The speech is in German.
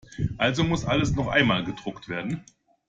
Also musste alles noch einmal gedruckt werden.